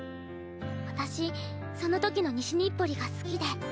私そのときの西日暮里が好きで。